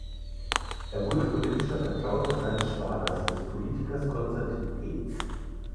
Er wurde politischer Vertrauter seines Schwagers, des Politikers Konstantin Päts.